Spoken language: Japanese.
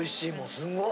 すごい！